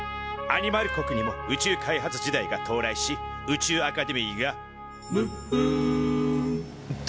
アニマル国にも宇宙開発時代が到来し宇宙アカデミーが「むっふん！！」と誕生。